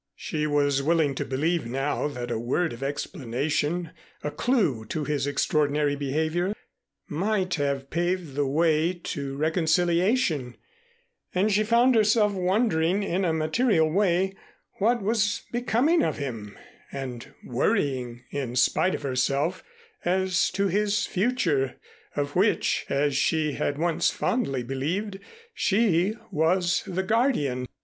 She was willing to believe now that a word of explanation, a clue to his extraordinary behavior might have paved the way to reconciliation, and she found herself wondering in a material way what was becoming of him and worrying, in spite of herself, as to his future, of which, as she had once fondly believed, she was the guardian.